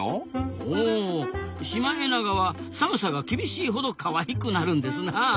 ほうシマエナガは寒さが厳しいほどかわいくなるんですなあ。